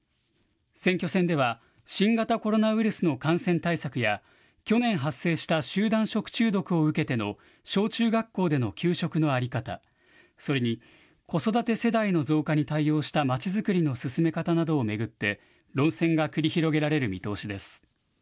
選挙戦では新型コロナウイルスの感染対策や去年発生した集団食中毒を受けての小中学校での給食の在り方、それに子育て世代の増加に対応したまちづくりの進め方などを巡って論戦が繰り広げられる見通しです。